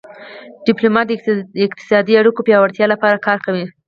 ډیپلومات د اقتصادي اړیکو پیاوړتیا لپاره کار کوي